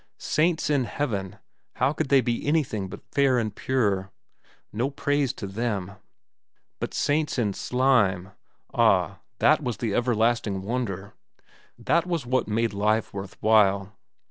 Saints in heaven—how could they be anything but fair and pure? No praise to them. But saints in slime—ah, that was the everlasting wonder! That was what made life worth while.